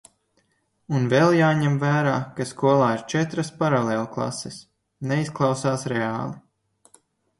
Un vēl jāņem vērā, ka skolā ir četras paralēlklases. Neizklausās reāli.